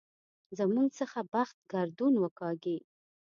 زموږ څخه بخت ګردون وکاږي.